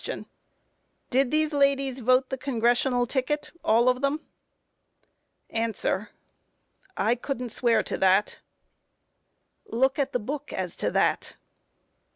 Did these ladies vote the Congressional ticket, all of them? A. I couldn't swear to that. Q. Look at the book as to that.